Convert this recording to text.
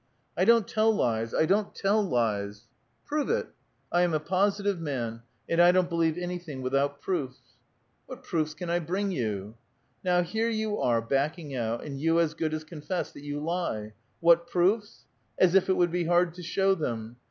" I don't tell lies ! I don't tell lies !"" Prove it. I am a positive man, and I don't believe any ^ thing without proofs." '*' What proofs can I bnng you ?"" Now here you are backing out, and you as good as con fess that you lie. What proofs? As if it would be hard to show them.